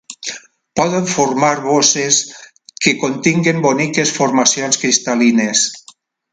Poden formar bosses que continguen boniques formacions cristal·lines.